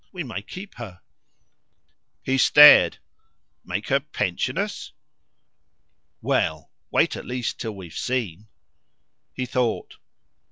We may keep her." He stared. "Make her pension us?" "Well, wait at least till we've seen." He thought.